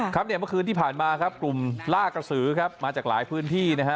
ครับเนี่ยเมื่อคืนที่ผ่านมาครับกลุ่มล่ากระสือครับมาจากหลายพื้นที่นะฮะ